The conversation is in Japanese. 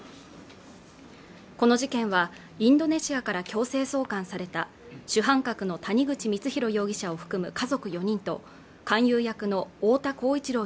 この事件はインドネシアから強制送還された主犯格の谷口光弘容疑者を含む家族４人と勧誘役の太田浩一朗